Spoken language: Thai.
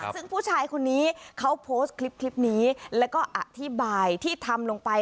ซึ่งผู้ชายคนนี้เขาโพสต์คลิปนี้แล้วก็อธิบายที่ทำลงไป